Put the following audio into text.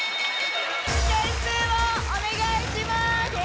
点数をお願いします。